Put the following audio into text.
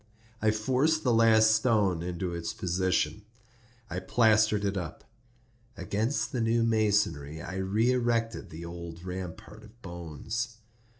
I forced the last stone into its position; I plastered it up. Against the new masonry I re erected the old rampart of bones.